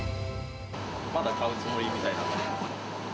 まだ買うつもりみたいなんで。